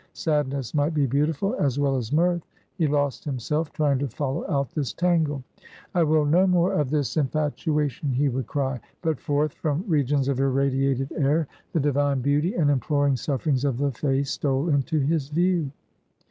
Sadness might be beautiful, as well as mirth he lost himself trying to follow out this tangle. "I will no more of this infatuation," he would cry; but forth from regions of irradiated air, the divine beauty and imploring sufferings of the face, stole into his view.